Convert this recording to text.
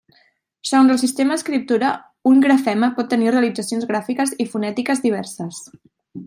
Segons el sistema d'escriptura, un grafema pot tenir realitzacions gràfiques i fonètiques diverses.